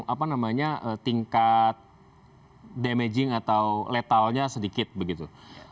apa namanya tingkat damaging atau letalnya sedikit begitu